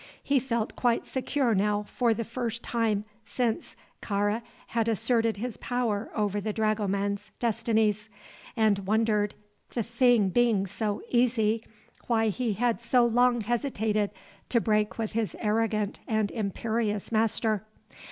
He felt quite secure now for the first time since Kāra had asserted his power over the dragoman's destinies, and wondered the thing being so easy why he had so long hesitated to break with his arrogant and imperious master.